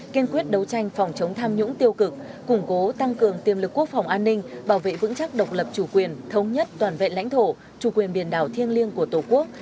kiên quyết đấu tranh phòng chống tham nhũng tiêu cực củng cố tăng cường tiềm lực quốc phòng an ninh bảo vệ vững chắc độc lập chủ quyền thống nhất toàn vẹn lãnh thổ chủ quyền biển đảo thiêng liêng của tổ quốc